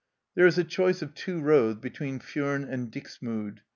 There is a choice of two roads between Furnes and Dixmude.